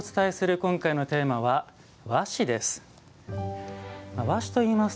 今回のテーマは「和紙」です。